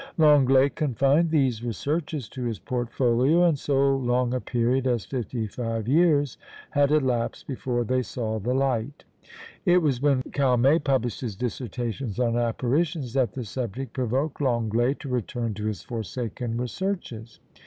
Lenglet confined these researches to his portfolio; and so long a period as fifty five years had elapsed before they saw the light. It was when Calmet published his Dissertations on Apparitions, that the subject provoked Lenglet to return to his forsaken researches.